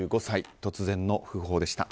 突然の訃報でした。